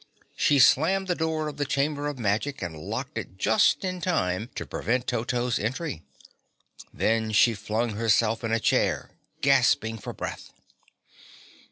She slammed the door of the Chamber of Magic and locked it just in time to prevent Toto's entry. Then she flung herself in a chair, gasping for breath.